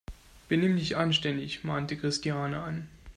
Benimm dich anständig!, mahnte Christiane an.